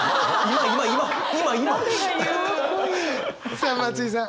さあ松居さん。